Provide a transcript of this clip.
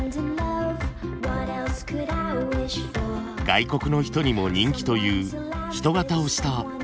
外国の人にも人気という人形をしたキーホルダー。